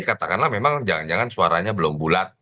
katakanlah memang jangan jangan suaranya belum bulat